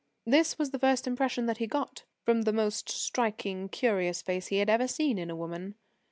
This was the first impression that he got from the most striking, curious face he had ever seen in a woman.